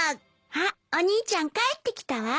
あっお兄ちゃん帰ってきたわ。